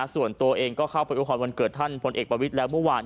ส่วนตัวเองก็เข้าไปโอพรวันเกิดท่านพลเอกประวิทย์แล้วเมื่อวาน